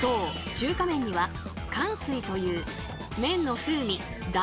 中華麺には「かんすい」という麺の風味弾力